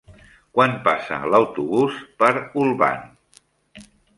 Quan passa l'autobús per Olvan?